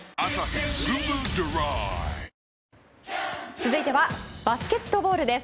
続いてはバスケットボールです。